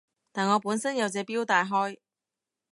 但我本身有隻錶戴開